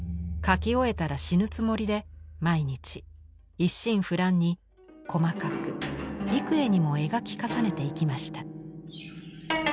描き終えたら死ぬつもりで毎日一心不乱に細かく幾重にも描き重ねていきました。